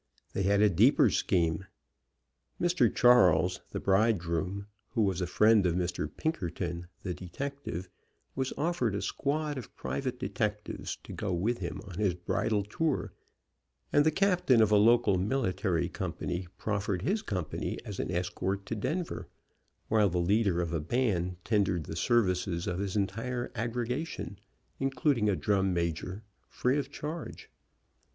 They had a deeper scheme. Mr. Charles, the bridegroom, who was a friend of Mr. Pinkerton, the detective, was offered a squad of private detectives to go with him on his bridal tour, and the captain of a local military com pany proffered his company as an escort to Denver, while the leader of a band tendered the services of his entire aggregation, including a drum major, free of charge.